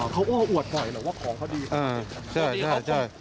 เขาโอ้อวดหน่อยหรือว่าของเขาดีใช่